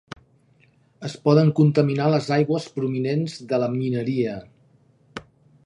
Es poden contaminar les aigües provinents de la mineria.